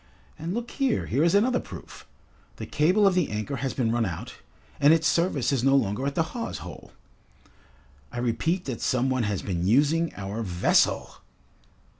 And look here, here is another proof! The cable of the anchor has been run out, and its service is no longer at the hawse hole. I repeat that some one has been using our vessel!"